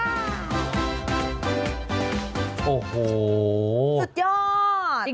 โอ้โหสุดยอด